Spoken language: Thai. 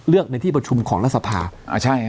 เลือกในที่ประชุมของรัฐสภาพ